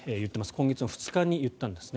今月の２日に言ったんですね。